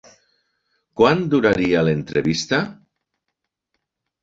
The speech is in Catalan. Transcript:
Quant duraria l'entrevista?